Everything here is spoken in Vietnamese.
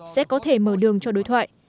sẽ có thể mở đường cho đối thoại